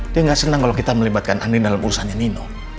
dia nggak senang kalau kita melibatkan andre dalam urusannya nino